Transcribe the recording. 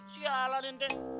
sial lah ninten